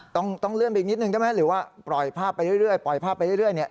ต้องเลื่อนไปอีกนิดหนึ่งได้ไหมหรือว่าปล่อยภาพไปเรื่อย